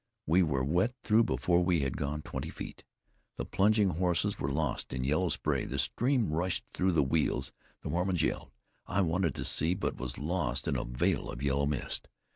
We were wet through before we had gone twenty feet. The plunging horses were lost in yellow spray; the stream rushed through the wheels; the Mormons yelled. I wanted to see, but was lost in a veil of yellow mist.